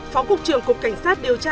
phó cục trường cục cảnh sát điều tra